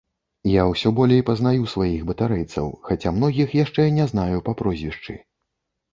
Я ўсё болей пазнаю сваіх батарэйцаў, хаця многіх яшчэ не знаю па прозвішчы.